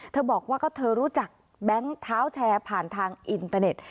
บอกว่าก็เธอรู้จักแบงค์เท้าแชร์ผ่านทางอินเตอร์เน็ต